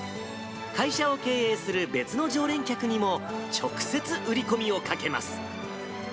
会社を経営する別の常連客にも、直接売り込みをかけます。